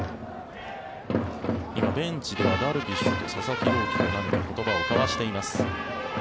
今、ベンチではダルビッシュと佐々木朗希が何か言葉を交わしています。